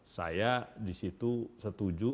saya di situ setuju